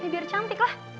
biar cantik lah